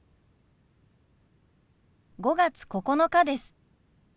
５月９日です。